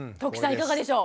いかがでしょう？